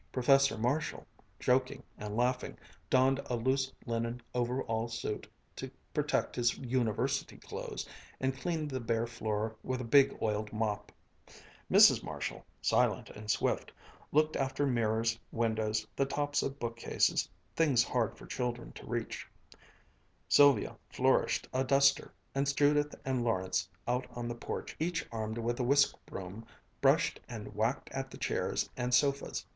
Professor Marshall, joking and laughing, donned a loose linen overall suit to protect his "University clothes," and cleaned the bare floor with a big oiled mop; Mrs. Marshall, silent and swift, looked after mirrors, windows, the tops of bookcases, things hard for children to reach; Sylvia flourished a duster; and Judith and Lawrence out on the porch, each armed with a whisk broom, brushed and whacked at the chairs and sofas.